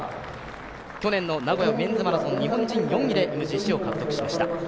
去年の名古屋ウィメンズマラソン、日本人４位でＭＧＣを獲得しました。